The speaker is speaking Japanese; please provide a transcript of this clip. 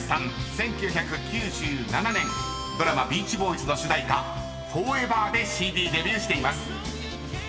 １９９７年ドラマ『ビーチボーイズ』の主題歌『Ｆｏｒｅｖｅｒ』でＣＤデビューしています］